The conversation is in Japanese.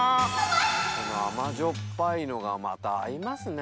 この甘塩っぱいのがまた合いますね。